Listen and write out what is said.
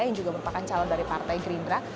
yang juga merupakan calon dari partai gerindra